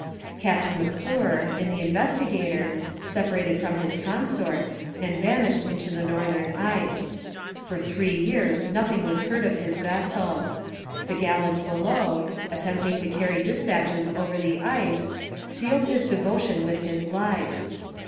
Captain M'Clure, in the Investigator, separated from his consort, and vanished into the northern ice; for three years nothing was heard of his vessel. The gallant Bellot, attempting to carry dispatches over the ice, sealed his devotion with his life.